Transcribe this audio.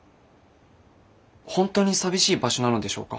本当に寂しい場所なのでしょうか？